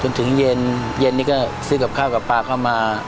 ถึงเย็นนี้ก็ซื้อกับข้าวกับปลาเข้ามา